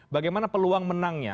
bagaimana peluang menangnya